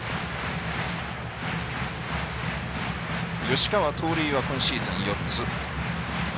吉川盗塁は今シーズンは４つ。